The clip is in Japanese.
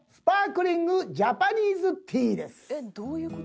「えっどういう事？